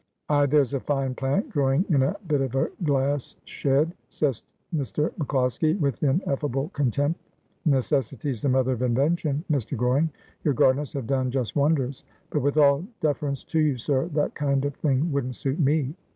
' Ay, there's a fine plant growing in a bit of a glass — shed,' said Mr; MacCloskie with ineffable contempt. ' Necessity's the mother of invention, Mr. Goring. Your gardeners have done just wonders. But with all deference to you, sir, that kind of thing wouldn't suit me.